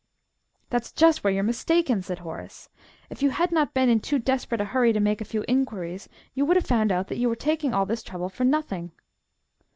"That's just where you're mistaken," said Horace. "If you had not been in too desperate a hurry to make a few inquiries, you would have found out that you were taking all this trouble for nothing."